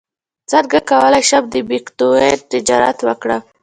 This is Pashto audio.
څنګه کولی شم د بیتکوین تجارت وکړم